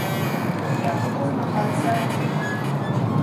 Я буду змагацца адзін.